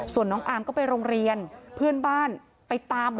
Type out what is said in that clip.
ส่วนน้องอาร์มก็ไปโรงเรียนเพื่อนบ้านไปตาม